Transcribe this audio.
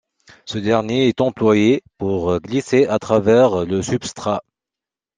Ce dernier est employé pour glisser à travers le substrat.